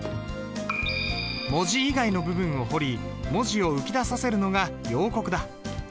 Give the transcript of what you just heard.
文字以外の部分を彫り文字を浮き出させるのが陽刻だ。